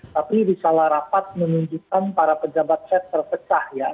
tapi risalah rapat menunjukkan para pejabat set terpecah ya